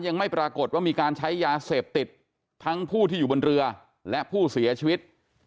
ยังไม่ปรากฏว่ามีการใช้ยาเสพติดทั้งผู้ที่อยู่บนเรือและผู้เสียชีวิต